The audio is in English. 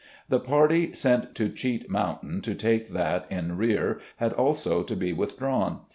The party sent to Cheat Mountain to take that in rear had also to be withdrawn.